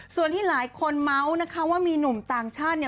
ส่วนที่หลายคนเมาส์นะคะว่ามีหนุ่มต่างชาติเนี่ย